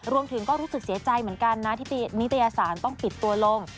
รู้สึกก็รู้สึกเสียใจเหมือนกันนะที่นิตยสารต้องปิดตัวลง